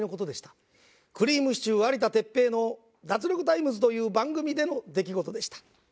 くりぃむしちゅー有田哲平の『脱力タイムズ』という番組での出来事でした。